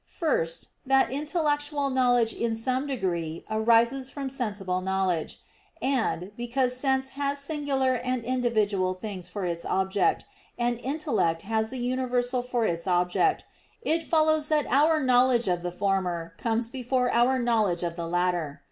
First, that intellectual knowledge in some degree arises from sensible knowledge: and, because sense has singular and individual things for its object, and intellect has the universal for its object, it follows that our knowledge of the former comes before our knowledge of the latter.